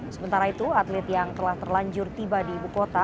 sementara itu atlet yang telah terlanjur tiba di ibu kota